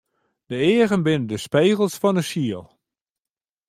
De eagen binne de spegels fan 'e siel.